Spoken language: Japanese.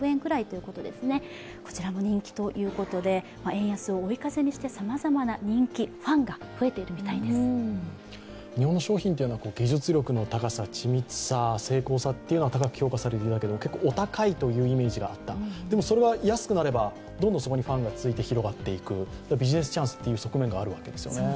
円安を追い風にしてさまざまな人気、ファンが増えているみたいです日本の商品は技術力の高さ、緻密さ、精巧さで高く評価されているわけですけれども、結構お高いというイメージがあった、でも、それが安くなればどんどんそこにファンがついて広がっていくビジネスチャンスの側面があるわけですね。